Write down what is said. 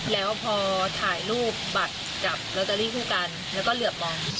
แล้วพอถ่ายรูปบัตรกับลอตเตอรี่คู่กันแล้วก็เหลือบมอง